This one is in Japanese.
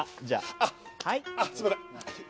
じゃあはい